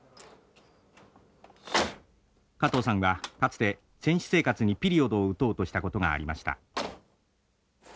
加藤さんはかつて選手生活にピリオドを打とうとしたことがありました。